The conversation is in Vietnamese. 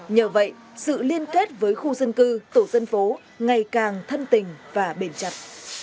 nhờ vậy sự liên kết với khu dân cư tổ dân phố ngày càng thân tình và bền chặt